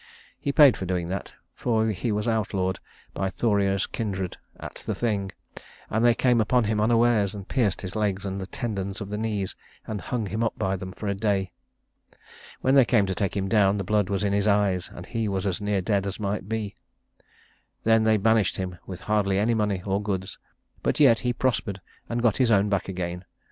He paid for doing that, for he was outlawed by Thoreir's kindred at the Thing, and they came upon him unawares, and pierced his legs at the tendons of the knees and hung him up by them for a day. When they came to take him down the blood was in his eyes and he was as near dead as might be. Then they banished him with hardly any money or goods; but yet he prospered and got his own back again.